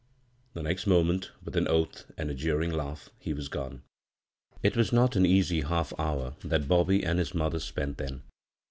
The next moment with an oath and a jeering laugh he was gone. It was not an easy half hour that Bobby and his mother spent then.